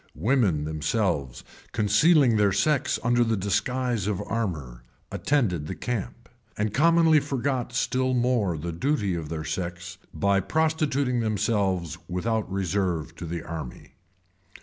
Women themselves, concealing their sex under the disguise of armor, attended the camp; and commonly forgot still more the duty of their sex, by prostituting themselves without reserve to the army.